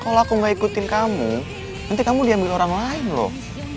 kalau aku gak ikutin kamu nanti kamu diambil orang lain loh